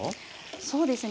そうですね